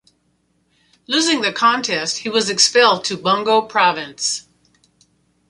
Losing the contest, he was expelled to Bungo Province.